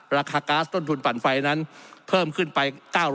ราคาก๊าซต้นทุนปั่นไฟนั้นเพิ่มขึ้นไป๙๐๐